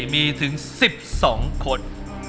มีถึง๑๒คน